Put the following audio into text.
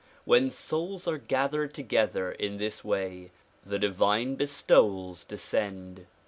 When souls are gathered together in this way the divine bestowals descend.